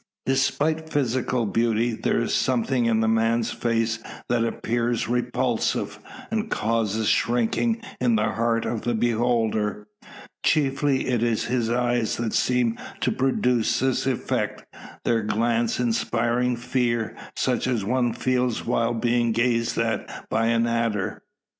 Despite physical beauty, there is something in the man's face that appears repulsive, and causes shrinking in the heart of the beholder. Chiefly is it his eyes that seem to produce this effect; their glance inspiring fear, such as one feels while being gazed at by an adder.